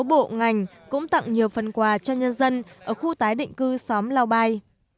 bộ ngành cũng tặng nhiều phần quà cho nhân dân ở khu tái định cư xóm lao